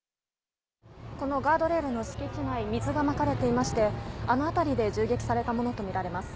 このガードレールの敷地内、水がまかれていまして、あの辺りで銃撃されたものと見られます。